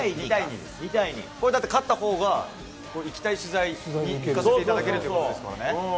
これ、勝ったほうが、行きたい取材に行かせていただけるということです